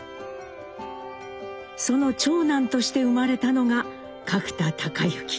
その長男として生まれたのが角田隆之。